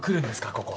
ここ。